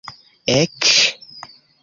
ek